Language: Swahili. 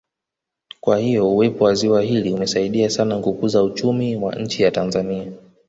Kwa hiyo uwepo wa ziwa hili umesadia sana kukuza uchumi wa nchi ya Tanzania